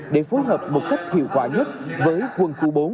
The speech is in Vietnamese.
để phối hợp một cách hiệu quả nhất với quân khu bốn